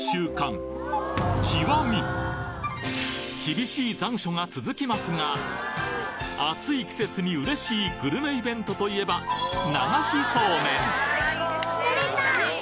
厳しい残暑が続きますが暑い季節にうれしいグルメイベントといえば取れた！